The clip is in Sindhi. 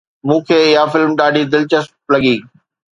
مون کي اها فلم ڏاڍي دلچسپ لڳي